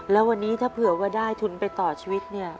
แล้ววันนี้ถ้าเผื่อว่าได้ทุนไปต่อชีวิตเนี่ย